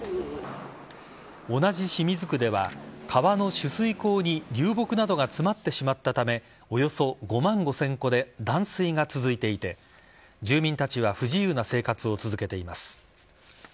同じ清水区では川の取水口に流木などが詰まってしまったためおよそ５万５０００戸で断水が続いていて住民たちは不自由な生活を続けています。